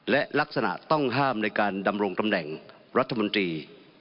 และลักษณะต้องห้ามในการดำรงตำแหน่งรัฐมนตรี